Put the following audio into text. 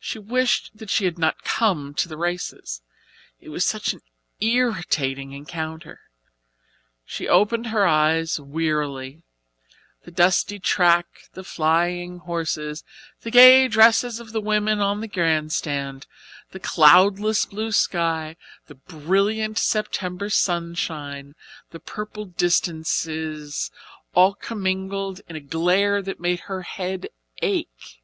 She wished that she had not come to the races. It was such an irritating encounter. She opened her eyes wearily; the dusty track, the flying horses, the gay dresses of the women on the grandstand, the cloudless blue sky, the brilliant September sunshine, the purple distances all commingled in a glare that made her head ache.